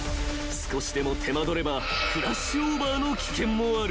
少しでも手間取ればフラッシュオーバーの危険もある］